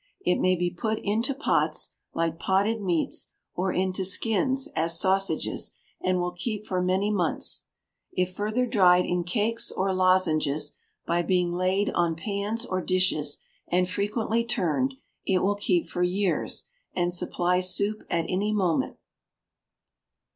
It may be put into pots, like potted meats, or into skins, as sausages, and will keep for many months. If further dried in cakes or lozenges, by being laid on pans or dishes, and frequently turned, it will keep for years, and supply soup at any moment.